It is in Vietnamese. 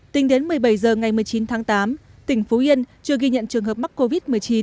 tính đến một mươi bảy h ngày một mươi chín tháng tám tỉnh phú yên chưa ghi nhận trường hợp mắc covid một mươi chín